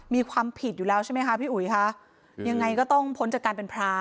มีความผิดอยู่แล้วใช่ไหมคะพี่อุ๋ยค่ะยังไงก็ต้องพ้นจากการเป็นพระ